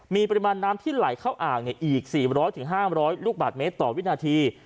มีปริมาณน้ำที่ไหลเข้าอ่างเนี้ยอีกสี่ร้อยถึงห้ามร้อยลูกบาทเมตรต่อวินาที